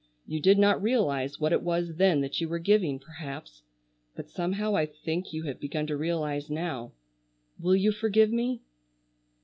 You did not realize what it was then that you were giving, perhaps, but somehow I think you have begun to realize now. Will you forgive me?"